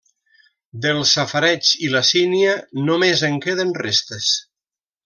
Del safareig i la sínia només en queden restes.